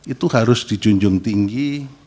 itu harus dijunjung tinggi